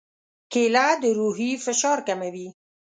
کېله د روحي فشار کموي.